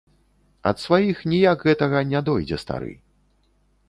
Ад сваіх ніяк гэтага не дойдзе стары.